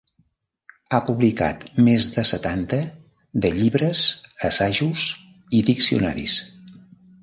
Ha publicat més de setanta de llibres, assajos i diccionaris.